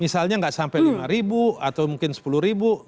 misalnya nggak sampai lima ribu atau mungkin sepuluh ribu